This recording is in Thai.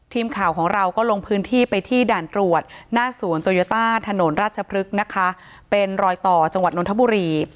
ทีมข่าวของเราก็ลงพื้นที่ไปที่ด่านตรวจหน้าสวนโตโยต้าถนนราชพฤกษ์นะคะเป็นรอยต่อจังหวัดนทบุรี